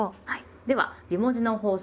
では美文字の法則